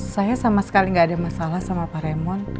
saya sama sekali nggak ada masalah sama pak remon